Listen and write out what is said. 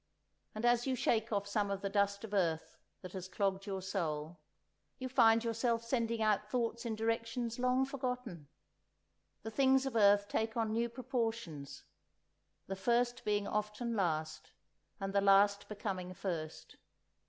And as you shake off some of the dust of earth that has clogged your soul, you find yourself sending out thoughts in directions long forgotten; the things of earth take on new proportions, the first being often last, and the last becoming first.